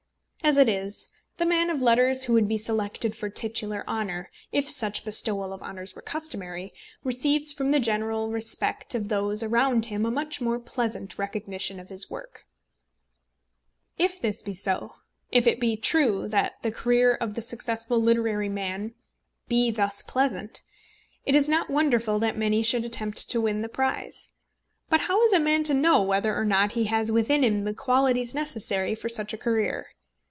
As it is, the man of letters who would be selected for titular honour, if such bestowal of honours were customary, receives from the general respect of those around him a much more pleasant recognition of his worth. If this be so, if it be true that the career of the successful literary man be thus pleasant, it is not wonderful that many should attempt to win the prize. But how is a man to know whether or not he has within him the qualities necessary for such a career?